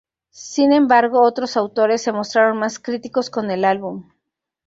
Sin embargo, otros autores se mostraron más críticos con el álbum.